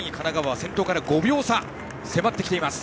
先頭から５秒差に迫ってきています。